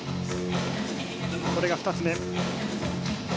これが２つ目。